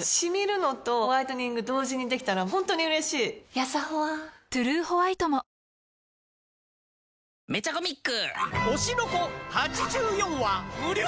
シミるのとホワイトニング同時にできたら本当に嬉しいやさホワ「トゥルーホワイト」も「キュキュット」